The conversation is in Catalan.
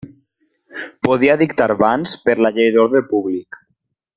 Podia dictar bans per la Llei d'Ordre Públic.